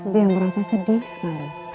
dia merasa sedih sekali